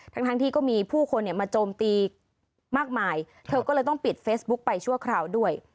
ทั้งที่ก็มีผู้คนเนี่ยมาโจมตีมากมายเธอก็เลยต้องปิดเฟซบุ๊กไปชั่วคราวด้วย